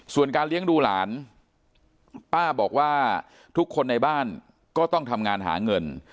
ส่วนการเลี้ยงดูหลานป้าบอกว่าทุกคนในบ้านก็ต้องทำงานหาเงิน